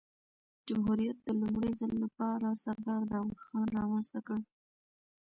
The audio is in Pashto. جمهوریت د لومړي ځل له پاره سردار داود خان رامنځ ته کړ.